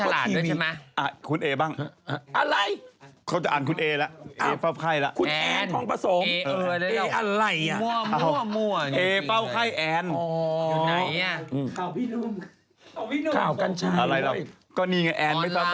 แต่มันก็ฉลาดด้วยใช่ไหม